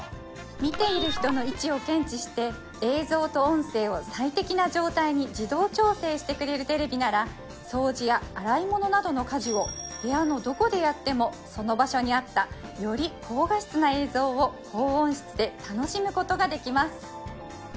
見ている人の位置を検知して映像と音声を最適な状態に自動調整してくれるテレビなら掃除や洗い物などの家事を部屋のどこでやってもその場所にあったより高画質な映像を高音質で楽しむことができます